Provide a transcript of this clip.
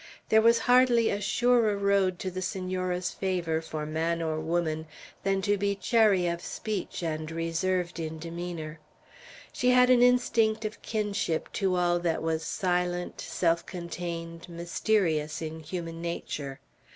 There was hardly a surer road to the Senora's favor, for man or woman, than to be chary of speech and reserved in demeanor. She had an instinct of kinship to all that was silent, self contained, mysterious, in human nature.